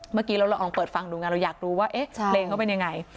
เมื่อกี้เราลองเปิดฟังดูไงเราอยากรู้ว่าเอ๊ะเพลงเขาเป็นยังไง